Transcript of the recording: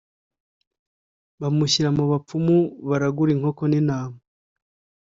bamushyira mu bapfumu baragura inkoko n'intama.